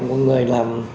của người làm